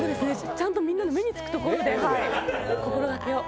ちゃんとみんなの目につく所で心がけよう。